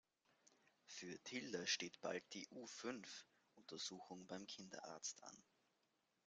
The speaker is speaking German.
Für Tilda steht bald die U-Fünf Untersuchung beim Kinderarzt an.